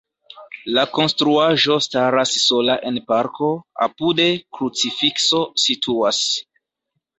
La konstruaĵo staras sola en parko, apude krucifikso situas.